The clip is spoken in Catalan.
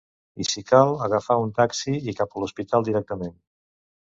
I si cal, agafar un taxi i cap a l’hospital directament.